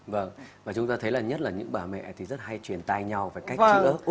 vâng và chúng ta thấy là nhất là những bà mẹ thì rất hay truyền tài nhau về cách chữa